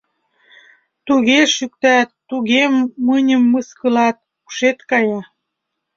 Туге шӱктат, туге мыньым мыскылат — ушет кая.